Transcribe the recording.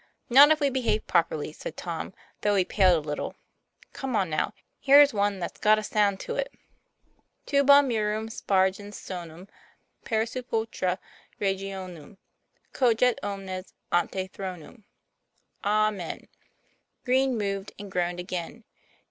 "Not if we behave properly," said Tom, though he paled a little. "Come on, now. Here's one that's got a sound to it: TOM PLA YFA1R. 79 ' Tuba mirum spargens sonum Per sepulchra regionum Coget omnes ante thronum.' ' "Amen." Green moved and groaned again.